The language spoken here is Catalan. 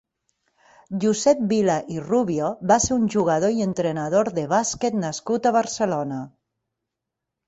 Josep Vila i Rubio va ser un jugador i entrenador de bàsquet nascut a Barcelona.